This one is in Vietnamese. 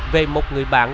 về một người bạn